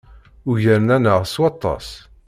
Ugaren-aneɣ s waṭas.